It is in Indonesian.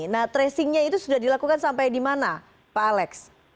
nah tracingnya itu sudah dilakukan sampai di mana pak alex